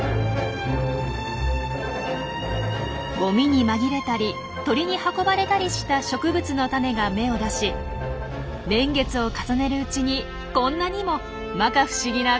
ゴミに紛れたり鳥に運ばれたりした植物の種が芽を出し年月を重ねるうちにこんなにもまか不思議な環境を作り出しました。